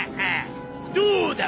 どうだ？